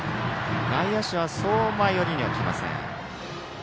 外野手はそう前寄りにはいません。